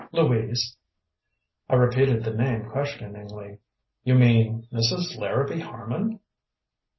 "Louise." I repeated the name questioningly. "You mean Mrs. Larrabee Harman?"